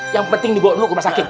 yang penting dibawa dulu ke rumah sakit